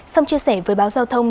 xong chia sẻ với báo giao thông